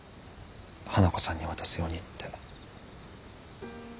花子さんに渡すようにって。